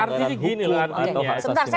artinya gini lah artinya